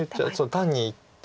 単にいって。